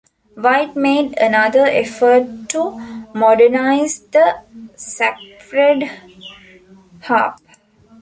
White made another effort to modernize the Sacred Harp.